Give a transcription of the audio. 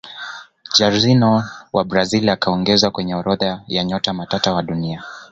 jairzinho wa brazil akaongezwa kwenye orodha ya nyota matata wa dunia